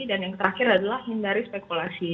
dan yang terakhir adalah hindari spekulasi